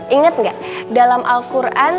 ingat nggak dalam al quran